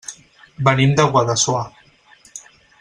Venim de Guadassuar.